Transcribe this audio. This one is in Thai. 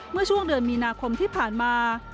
เมื่อช่วงเดือนมีนาคมที่ผ่านมา